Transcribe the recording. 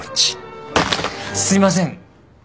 すいません！